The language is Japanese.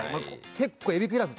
結構えびピラフ